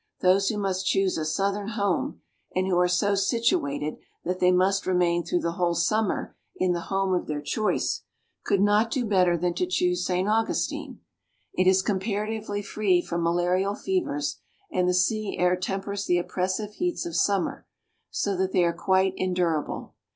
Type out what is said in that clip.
Those who must choose a Southern home, and who are so situated that they must remain through the whole summer in the home of their choice, could not do better than to choose St. Augustine. It is comparatively free from malarial fevers; and the sea air tempers the oppressive heats of summer, so that they are quite endurable.